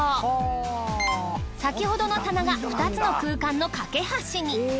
先ほどの棚が２つの空間の懸け橋に。